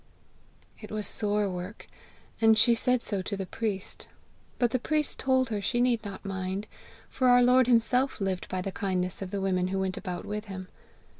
It was sore work, and she said so to the priest. But the priest told her she need not mind, for our Lord himself lived by the kindness of the women who went about with him.